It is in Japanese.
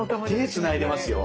手つないでますよ